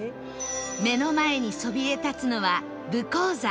目の前にそびえ立つのは武甲山